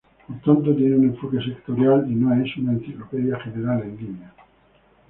Por tanto tiene un enfoque sectorial y no es una enciclopedia general en línea.